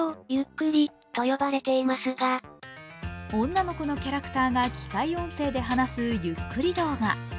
女の子のキャラクターが機械音声で話すゆっくり動画。